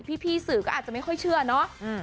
พี่สื่อก็อาจจะไม่ค่อยเชื่อเนาะ